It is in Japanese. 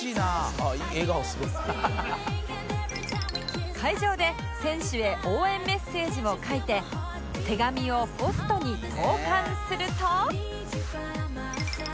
「あっいい笑顔すごい」会場で選手へ応援メッセージを書いて手紙をポストに投函すると